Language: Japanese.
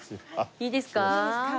いいですか？